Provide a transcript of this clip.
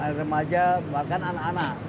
ya untuk remaja bahkan anak anak